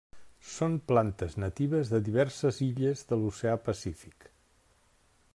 Són plantes natives de diverses illes de l'Oceà Pacífic.